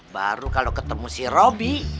baru kalo ketemu si robi